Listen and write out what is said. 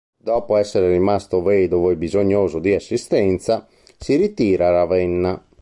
Dopo essere rimasto vedovo e bisognoso di assistenza, si ritira a Ravenna.